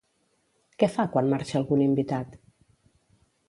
Què fa quan marxa algun invitat?